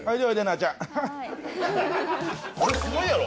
はい。